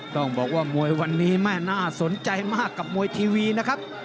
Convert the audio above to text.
ต้องบอกว่ามวยวันนี้แม่น่าสนใจมากกับมวยทีวีนะครับ